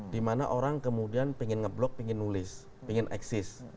di mana orang kemudian pengen nge blog pengen nulis pengen eksis